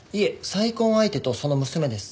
再婚相手とその娘です。